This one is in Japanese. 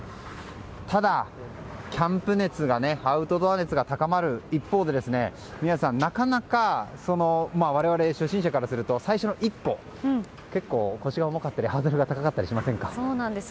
ただ、キャンプ熱アウトドア熱が高まる一方で皆さん、なかなか我々、初心者からすると最初の一歩が結構、腰が重かったりそうなんですよ。